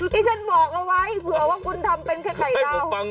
ที่ฉันบอกเอาไว้เผื่อว่าคุณทำเป็นแค่ไข่ดาว